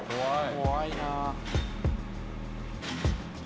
怖いなあ。